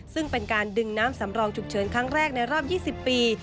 ซึ่งเป็นการดึงน้ำสำรองฉุกเฉินครั้งแรกในรอบ๒๐ปี